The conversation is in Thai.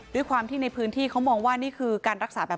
ด้วยความที่ในพื้นที่เขามองว่านี่คือการรักษาแบบ